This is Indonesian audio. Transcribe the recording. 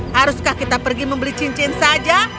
haruskah kita pergi membeli cincin saja